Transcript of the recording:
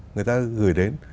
người ta gửi đến